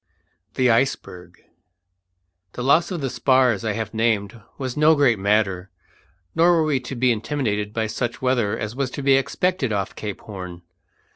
THE ICEBERG. The loss of the spars I have named was no great matter, nor were we to be intimidated by such weather as was to be expected off Cape Horn.